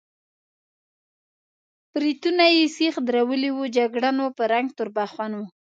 برېتونه یې سېخ درولي وو، جګړن و، په رنګ تور بخون و.